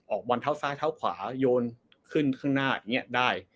บอลเท้าซ้ายเท้าขวาโยนขึ้นข้างหน้าอย่างนี้ได้